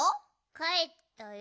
かえったよ。